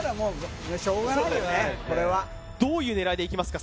どういう狙いでいきますか